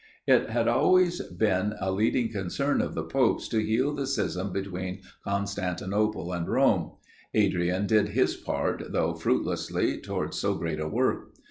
It had always been a leading concern of the popes to heal the schism between Constantinople and Rome. Adrian did his part, though fruitlessly, towards so great a work.